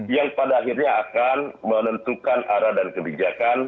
yang pada akhirnya akan menentukan arah dan kebijakan